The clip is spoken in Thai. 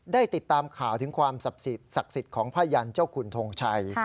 ได้ติดตามข่าวถึงความศักดิ์สิทธิ์ของพยันเจ้าคุณทงชัย